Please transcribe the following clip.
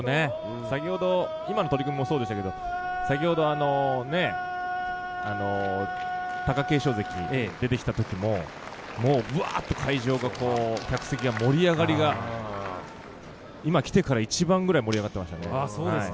今の取組もそうでしたが先ほど貴景勝関、出てきたときも会場、客席の盛り上がりが今来てから一番くらい盛り上がってましたね。